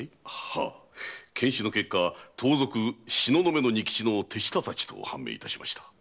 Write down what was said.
検死の結果盗賊・東雲の仁吉の手下達と判明しました。